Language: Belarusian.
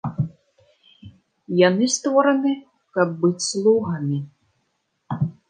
Яны створаны, каб быць слугамі.